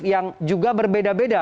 yang juga berbeda beda